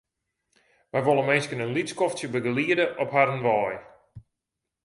Wy wolle minsken in lyts skoftsje begeliede op harren wei.